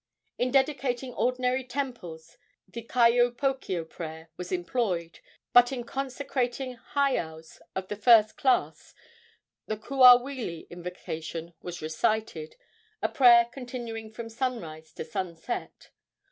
In dedicating ordinary temples the kaiopokeo prayer was employed; but in consecrating heiaus of the first class the kuawili invocation was recited, a prayer continuing from sunrise to sunset.